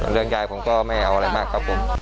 ยายผมก็ไม่เอาอะไรมากครับผม